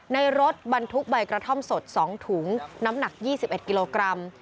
ในรถบรรทุกใบกระท่อมสด๒ถุงน้ำหนัก๒๑กิโลกรัม